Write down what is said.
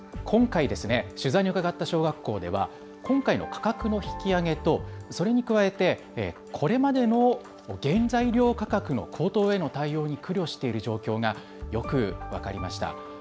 今回、取材に伺った小学校では今回の価格の引き上げとそれに加えてこれまでの原材料価格の高騰への対応に苦慮している状況がよく分かりました。